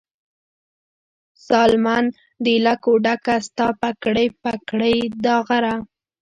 ستالمن د لکو ډکه، ستا پګړۍ، پګړۍ داغداره